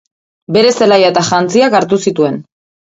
Bere zelaia eta jantziak hartu zituen.